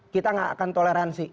kita gak akan toleransi